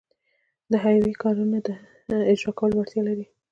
د حیوي کارونو د اجراکولو وړتیا لري.